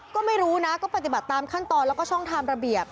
ก็ไม่รู้นะก็ปฏิบัติตามขั้นตอนแล้วก็ช่องทางระเบียบ